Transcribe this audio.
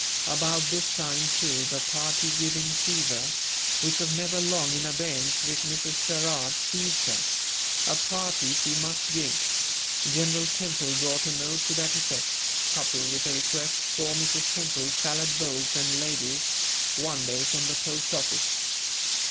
About this time, too, the party giving fever, which was never long in abeyance with Mrs. Sherrard, seized her. A party she must give. General Temple brought a note to that effect, coupled with a request for Mrs. Temple's salad bowls and ladles, one day from the post office.